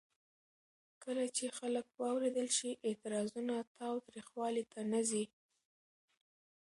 کله چې خلک واورېدل شي، اعتراضونه تاوتریخوالي ته نه ځي.